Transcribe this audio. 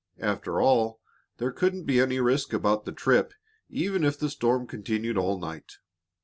After all, there couldn't be any risk about the trip even if the storm continued all night.